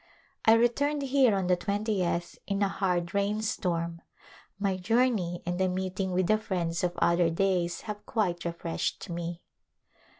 I returned here on the twentieth in a hard rain storm. My journey and the A Afarriage Ain^angement meeting with the friends of other days have quite re freshed me.